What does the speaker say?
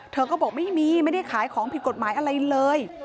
เธอก็บอกไม่มีไม่ได้ขายของผิดกฎหมายอะไรเลย